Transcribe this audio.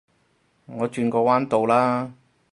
我轉個彎到啦